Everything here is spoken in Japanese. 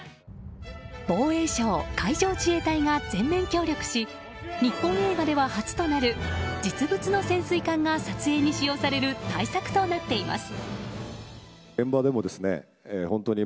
防衛省、海上自衛隊が全面協力し日本映画では初となる実物の潜水艦が撮影に使用される大作となっています。